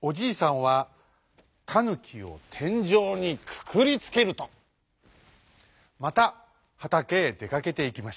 おじいさんはタヌキをてんじょうにくくりつけるとまたはたけへでかけていきました。